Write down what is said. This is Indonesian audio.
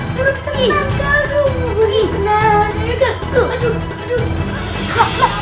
sarung kita tanah karung